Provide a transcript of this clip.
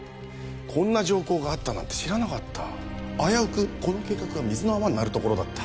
こんな条項があったなんて知らなかった危うくこの計画が水の泡になるところだった